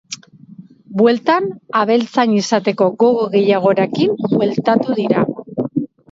Bueltan, abeltzain izateko gogo gehiagorekin bueltatu dira.